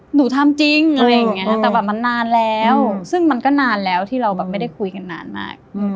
หนูทำจริงอะไรอย่างนี้แต่แบบมันนานแล้วซึ่งมันก็นานแล้วที่เราแบบไม่ได้คุยกันนานมาก